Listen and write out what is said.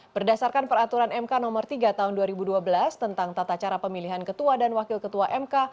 berdasarkan peraturan mk nomor tiga tahun dua ribu dua belas tentang tata cara pemilihan ketua dan wakil ketua mk